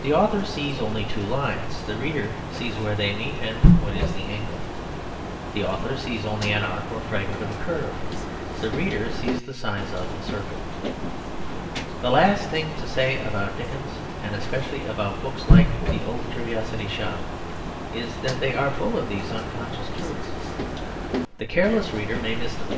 The author sees only two lines; the reader sees where they meet and what is the angle. The author sees only an arc or fragment of a curve; the reader sees the size of the circle. The last thing to say about Dickens, and especially about books like The Old Curiosity Shop, is that they are full of these unconscious truths. The careless reader may miss them.